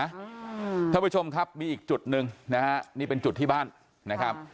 ท่านผู้ชมครับมีอีกจุดหนึ่งนะฮะนี่เป็นจุดที่บ้านนะครับ